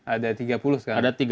ada tiga puluh sekarang